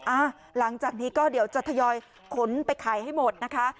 หลังจากนี้ก็เดี๋ยวจะทยอยขนไปขายให้หมดนะคะ